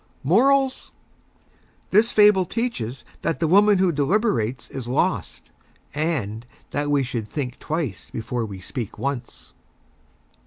MORALS: This Fable teaches that the Woman Who Deliberates Is Lost, and That We Should Think Twice Before We Speak Once.